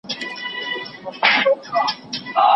هغه موټر چي ودرېد زموږ نه و.